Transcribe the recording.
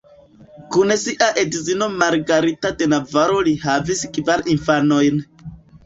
Kun sia edzino Margarita de Navaro li havis kvar infanojn.